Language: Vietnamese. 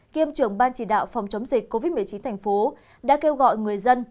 kiêm trưởng ban chỉ đạo phòng chống dịch covid một mươi chín thành phố đã kêu gọi người dân